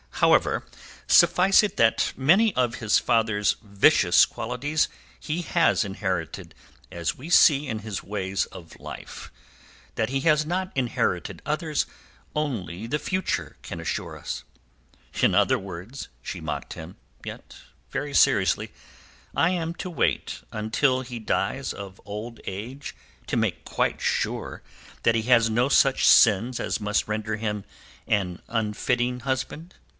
"However, suffice it that many of his father's vicious qualities he has inherited, as we see in his ways of life; that he has not inherited others only the future can assure us." "In other words," she mocked him, yet very seriously, "I am to wait until he dies of old age to make quite sure that he has no such sins as must render him an unfitting husband?"